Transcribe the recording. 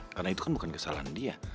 karena itu kan bukan kesalahan dia